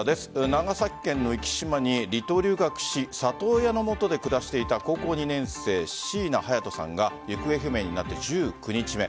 長崎県の壱岐島に離島留学し里親のもとで暮らしていた高校２年生椎名隼都さんが行方不明になって１９日目。